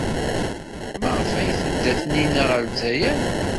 Maɣef ay tedda Taninna ɣer Lezzayer?